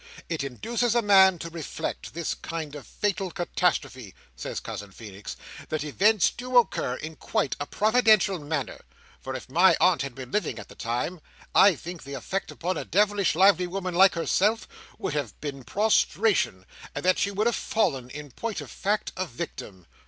It induces a man to reflect, this kind of fatal catastrophe," says Cousin Feenix, "that events do occur in quite a providential manner; for if my Aunt had been living at the time, I think the effect upon a devilish lively woman like herself, would have been prostration, and that she would have fallen, in point of fact, a victim."